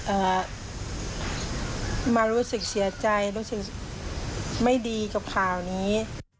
เอ่อมารู้สึกเสียใจรู้สึกไม่ดีกับข่าวนี้